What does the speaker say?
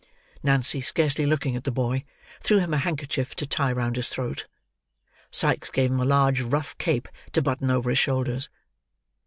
Nancy, scarcely looking at the boy, threw him a handkerchief to tie round his throat; Sikes gave him a large rough cape to button over his shoulders.